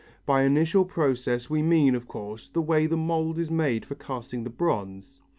By initial process we mean, of course, the way the mould is made for casting the bronze.